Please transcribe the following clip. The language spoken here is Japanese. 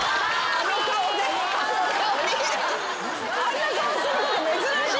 あんな顔すること珍しいよ。